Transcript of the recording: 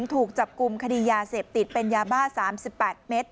ถูกจับกลุ่มคดียาเสพติดเป็นยาบ้า๓๘เมตร